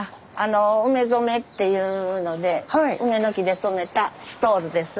梅染めっていうので梅の木で染めたストールです。